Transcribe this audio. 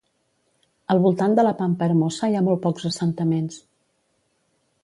Al voltant de la Pampa Hermosa hi ha molt pocs assentaments.